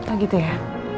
oh gitu ya